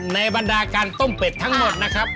บรรดาการต้มเป็ดทั้งหมดนะครับ